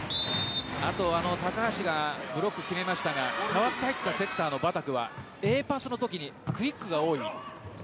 高橋がブロック、決めましたが代わって入ったセッターのバタクはＡパスのときにクイックが多い。